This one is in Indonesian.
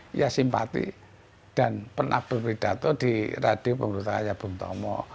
dia simpati dan pernah berpidato di radio pemerintahannya bung tomo